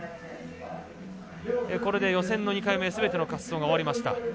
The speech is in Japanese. これで予選の２回目すべての滑走が終わりました。